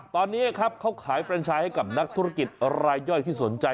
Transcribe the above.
ตอนนี้ครับเขาขายเฟรนชายให้กับนักธุรกิจรายย่อยที่สนใจ